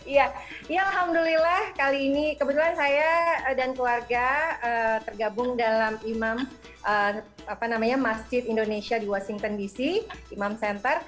iya ya alhamdulillah kali ini kebetulan saya dan keluarga tergabung dalam imam masjid indonesia di washington dc imam center